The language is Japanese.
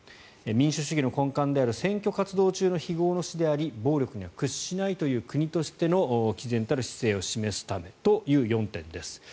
民主主義の根幹である選挙活動中の非業の死であり暴力には屈しないという国としてのきぜんたる姿勢を示すためという４点です。